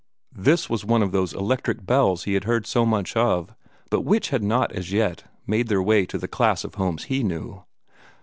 This was one of those electric bells he had heard so much of, but which had not as yet made their way to the class of homes he knew.